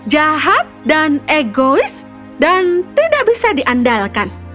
jahat dan egois dan tidak bisa diandalkan